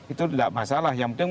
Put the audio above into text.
itu tidak masalah yang penting